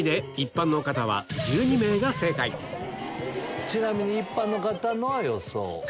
この段階でちなみに一般の方の予想。